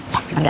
ya duduk dulu